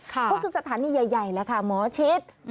ก็คือสถานีใหญ่แล้วค่ะหมอชิด